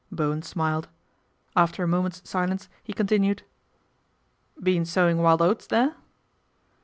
Bowen smiled. After a moment's silence he continued : Been sowing wild oats there